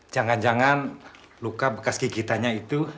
jangan jangan luka bekas gigitannya itu